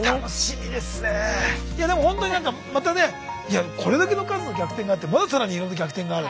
いやでもほんとに何かまたねいやこれだけの数の逆転があってまだ更にいろんな逆転がある。